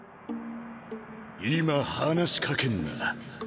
今話しかけんな。